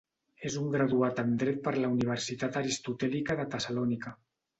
És un graduat en dret per la Universitat Aristotèlica de Tessalònica.